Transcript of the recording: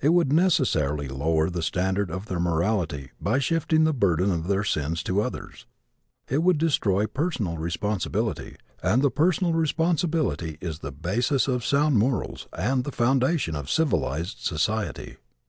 It would necessarily lower the standard of their morality by shifting the burden of their sins to others. It would destroy personal responsibility, and personal responsibility is the basis of sound morals and the foundation of civilized society.